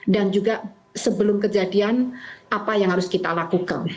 dan juga sebelum kejadian apa yang harus kita lakukan